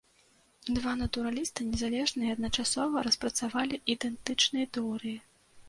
Два натураліста незалежна і адначасова распрацавалі ідэнтычныя тэорыі.